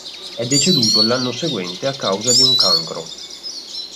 È deceduto l'anno seguente a causa di un cancro.